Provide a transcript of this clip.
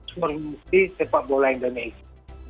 informasi sepak bola indonesia